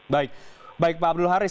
baik pak abdul haris